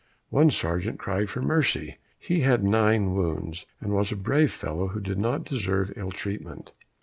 One sergeant cried for mercy; he had nine wounds, and was a brave fellow who did not deserve ill treatment.